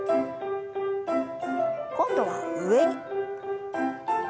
今度は上。